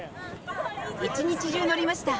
一日中乗りました。